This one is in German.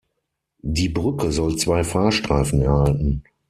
Die Brücke soll zwei Fahrstreifen erhalten.